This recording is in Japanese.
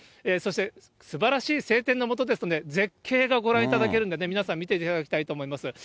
そしてすばらしい晴天の下ですので、絶景がご覧いただけるんでね、皆さん、見ていただきたいと思います。